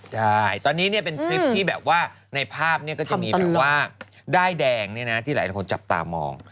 ใช่ตอนนี้เป็นคลิปที่แบบว่าในภาพก็จะมีแบบว่าด้ายแดงที่หลายคนจับตามอง